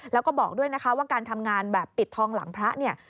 แล้วก็บอกด้วยนะคะว่าการทำงานแบบปิดทองหลังพระเนี่ย